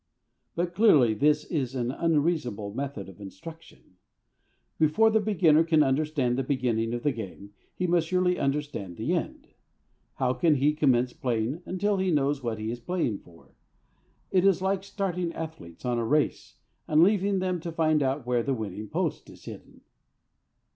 But clearly this is an unreasonable method of instruction. Before the beginner can understand the beginning of the game he must surely understand the end; how can he commence playing until he knows what he is playing for? It is like starting athletes on a race, and leaving them to find out where the winning post is hidden.